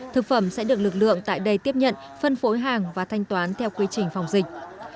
thực phẩm sẽ được lực lượng tại đây tiếp nhận phân phối hàng và thanh toán theo quy trình phòng dịch